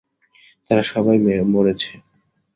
তারা সবাই মরেছে।